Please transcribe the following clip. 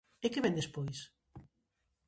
E que vén despois?